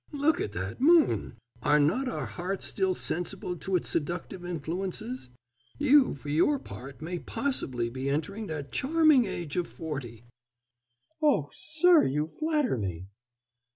"Look at that moon are not our hearts still sensible to its seductive influences? You, for your part, may possibly be nearing that charming age of forty " "Oh, sir! you flatter me...."